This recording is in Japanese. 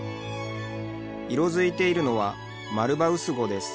色づいているのはマルバウスゴです。